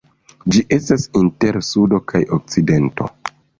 Ĝi estas inter Sudo kaj Okcidento.